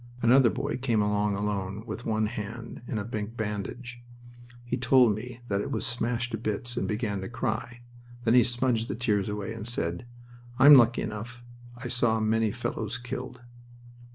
Another boy came along alone, with one hand in a big bandage. He told me that it was smashed to bits, and began to cry. Then he smudged the tears away and said: "I'm lucky enough. I saw many fellows killed."